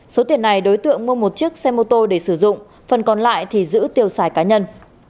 số tiền này đối tượng mua một chiếc xe mô tô để sử dụng phần còn lại thì giữ tiêu xài cá nhân